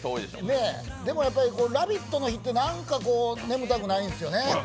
でもやっぱり「ラヴィット！」の日ってなんか眠たくないんですよね。